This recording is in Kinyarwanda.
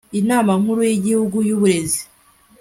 inama nkuru y'igihugu y'uburezi